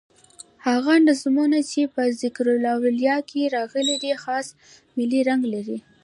هغه نظمونه چي په "تذکرةالاولیاء" کښي راغلي دي خاص ملي رنګ لري.